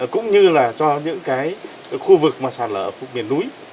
cũng như là cho những khu vực sạt lở ở miền núi